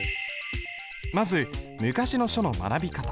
まず昔の書の学び方。